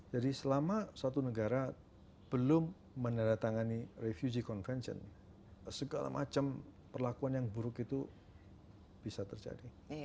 jadi selama satu negara belum meneratangani refugee convention segala macam perlakuan yang buruk itu bisa terjadi